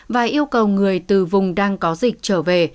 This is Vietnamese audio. và yêu cầu người từ vùng đang có dịch trở về